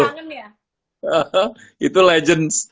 hahaha itu legends